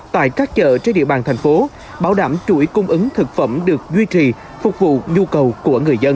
tại các chợ trên địa bàn thành phố bảo đảm chuỗi cung ứng thực phẩm được duy trì phục vụ nhu cầu của người dân